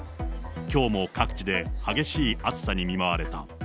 きょうも各地で激しい暑さに見舞われた。